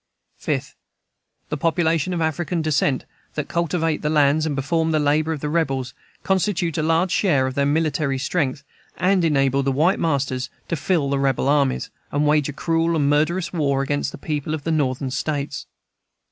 5th. The population of African descent that cultivate the lands and perform the labor of the rebels constitute a large share of their military strength, and enable the white masters to fill the rebel armies, and wage a cruel and murderous war against the people of the Northern States.